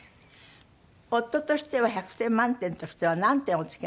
夫としては１００点満点としたら何点おつけになる？